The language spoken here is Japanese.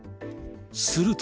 すると。